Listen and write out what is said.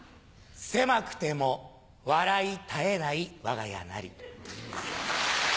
狭くても笑い絶えない我が家なり。